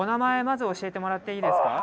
まず教えてもらっていいですか？